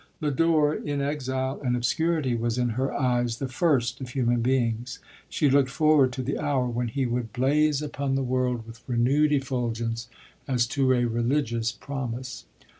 Lodore, in exile and obscurity, was in her eyes, the first of human beings ; she looked for ward to the hour, when he would blaze upon LODORE. 11 the world with renewed effulgence, as to a religi ous promise.